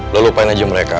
lu lupain aja mereka